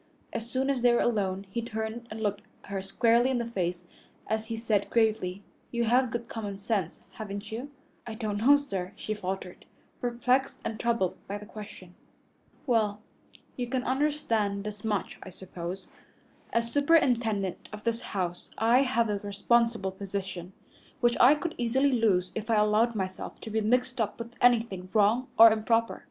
As soon as they were alone, he turned and looked her squarely in the face as he said gravely, "You have good common sense, haven't you?" "I don't know, sir," she faltered, perplexed and troubled by the question. "Well, you can understand this much, I suppose. As superintendent of this house I have a responsible position, which I could easily lose if I allowed myself to be mixed up with anything wrong or improper.